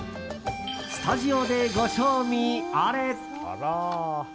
スタジオでご賞味あれ。